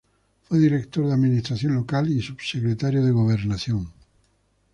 Fue director de Administración Local y subsecretario de Gobernación.